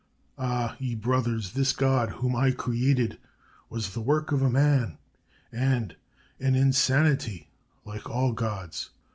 Ah, ye brothers, this God, whom I created, was the work of a man, and an insanity, like all Gods.'